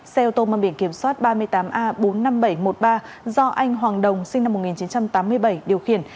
xe ô tô mang biển kiểm soát ba mươi tám a bốn mươi năm nghìn bảy trăm một mươi ba do anh hoàng đồng sinh năm một nghìn chín trăm tám mươi bảy điều khiển